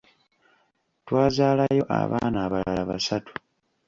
Twazaalayo abaana abalala basatu.